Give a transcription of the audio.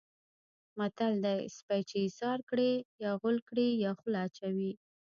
متل دی: سپی چې ایسار کړې یا غول کړي یا خوله اچوي.